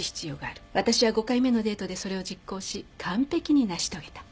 私は５回目のデートでそれを実行し完璧に成し遂げた。